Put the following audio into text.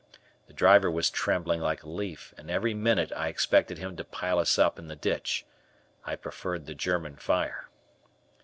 The driver was trembling like a leaf, and every minute I expected him to pile us up in the ditch. I preferred the German fire.